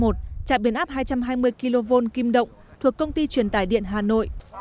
trạm biển áp hai trăm hai mươi kv kim động thuộc công ty truyền tài điện hà nội